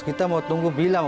kita mau tunggu bilang